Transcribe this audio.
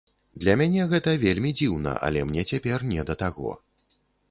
Для мяне гэта вельмі дзіўна, але мне цяпер не да таго.